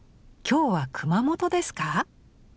今日は熊本ですか？